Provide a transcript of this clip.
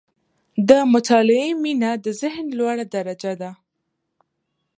• د مطالعې مینه، د ذهن لوړه درجه ده.